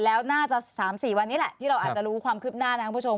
แล้วน่าจะ๓๔วันนี้แหละที่เราอาจจะรู้ความคืบหน้านะครับคุณผู้ชม